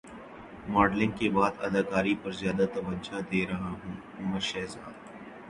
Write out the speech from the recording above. modelling کے بعد اداکاری پر زیادہ توجہ دے رہا ہوں عمر شہزاد